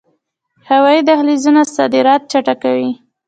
هوایی دهلیزونه صادرات چټکوي